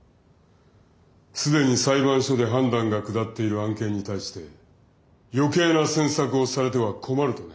既に裁判所で判断が下っている案件に対して余計な詮索をされては困るとね。